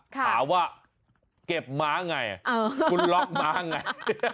ถามว่าเก็บม้าไงคุณล็อกม้าไง